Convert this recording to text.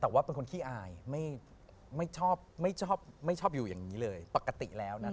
แต่ว่าเป็นคนขี้อายไม่ชอบอยู่อย่างนี้เลยปกติแล้วนะ